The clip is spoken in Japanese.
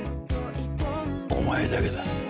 お前だけだ